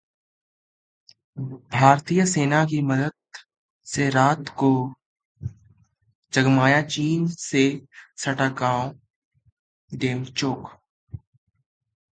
भारतीय सेना की मदद से रात को जगमगाएगा चीन से सटा गांव डेमचोक